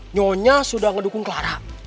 nyonya sudah mendukung clara